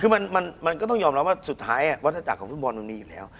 คือมันก็ต้องยอมรับว่าสุดท้ายวัฒนาจักรของฟุตบอลมันมีอยู่แล้ว